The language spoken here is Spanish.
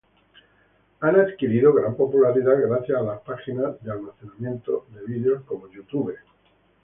Han adquirido gran popularidad gracias a las páginas de almacenamiento de vídeos como YouTube.